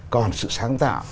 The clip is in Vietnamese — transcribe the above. còn sự sáng tạo